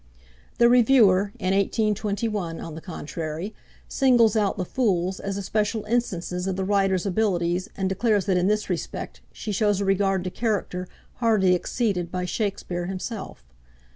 The Reviewer, in 1821, on the contrary, singles out the fools as especial instances of the writer's abilities, and declares that in this respect she shows a regard to character hardly exceeded by Shakspeare himself.